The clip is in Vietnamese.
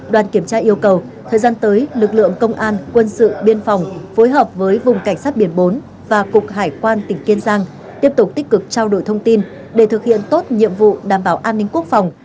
đoàn kiểm tra yêu cầu thời gian tới lực lượng công an quân sự biên phòng phối hợp với vùng cảnh sát biển bốn và cục hải quan tỉnh kiên giang tiếp tục tích cực trao đổi thông tin để thực hiện tốt nhiệm vụ đảm bảo an ninh quốc phòng